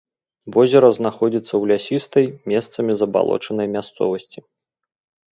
Возера знаходзіцца ў лясістай, месцамі забалочанай мясцовасці.